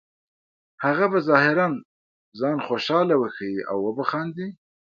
هغه به ظاهراً ځان خوشحاله وښیې او وبه خاندي